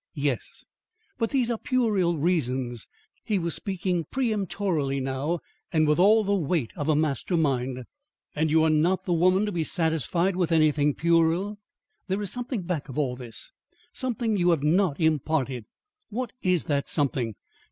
"Yes." "But these are puerile reasons." He was speaking peremptorily now and with all the weight of a master mind. "And you are not the woman to be satisfied with anything puerile. There is something back of all this; something you have not imparted. What is that something?